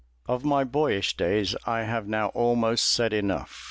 Of my boyish days, I have now almost said enough.